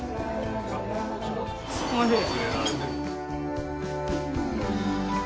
おいしい。